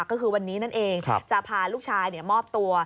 ก็คือวันนี้นั่นเองจะพาลูกชายมอบตัว